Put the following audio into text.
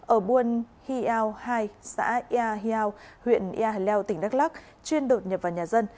ở buôn hiau hai xã yà hiau huyện yà hà leo tỉnh đắk lắc chuyên đột nhập vào nhà dân